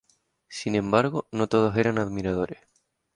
Sin embargo, no todos eran admiradores.